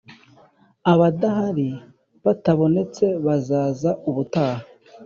Abadahari batabonetse bazaza ubutaha